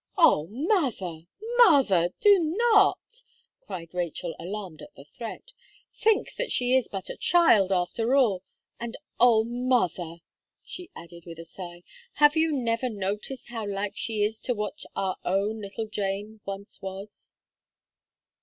"Oh! mother, mother, do not!" cried Rachel, alarmed at the threat; "think that she is but a child, after all. And, oh, mother!" she added with a sigh, "have you never noticed how like she is to what our own little Jane once was?"